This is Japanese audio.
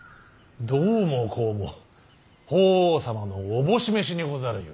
どうもこうも法皇様のおぼし召しにござるゆえ。